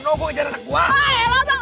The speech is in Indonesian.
turun bang gue mau turun